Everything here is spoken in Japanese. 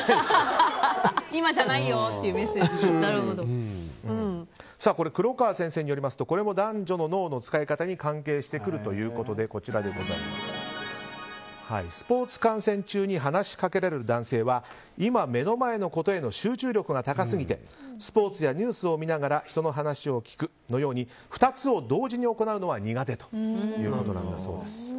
今じゃないよっていう黒川先生によりますとこれも男女の脳の使い方に関係してくるということでスポーツ観戦中に話しかけられる男性は今目の前のことへの集中力が高すぎてスポーツやニュースを見ながら人の話を聞くのように２つを同時に行うのは苦手ということなんだそうです。